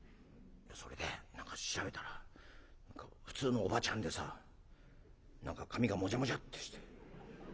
「それで調べたら普通のおばちゃんでさ何か髪がモジャモジャッてして。